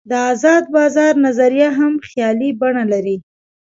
د آزاد بازار نظریه هم خیالي بڼه لري.